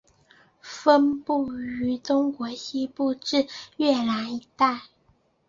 分布于中国西部至越南一带。